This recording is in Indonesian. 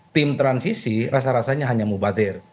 tim transisi rasa rasanya hanya mubatir